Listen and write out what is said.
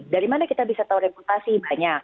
dari mana kita bisa tahu reputasi banyak